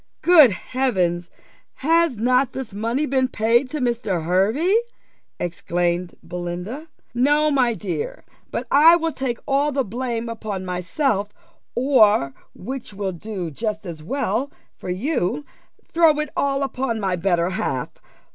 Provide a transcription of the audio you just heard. "Good Heavens! Has not this money been paid to Mr. Hervey?" exclaimed Belinda. "No, my dear; but I will take all the blame upon myself, or, which will do just as well for you, throw it all upon my better half.